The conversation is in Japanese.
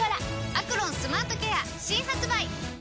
「アクロンスマートケア」新発売！